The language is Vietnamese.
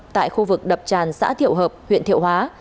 tại khu vực đập tràn xã thiệu hợp huyện thiệu hóa